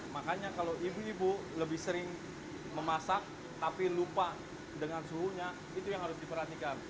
makanya kalau ibu ibu lebih sering memasak tapi lupa dengan suhunya itu yang harus diperhatikan